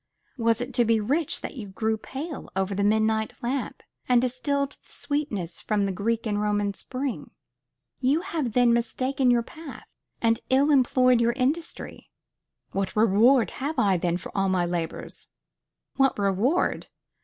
Was it to be rich that you grew pale over the midnight lamp, and distilled the sweetness from the Greek and Roman spring? You have then mistaken your path, and ill employed your industry. "What reward have I then for all my labors?" What reward!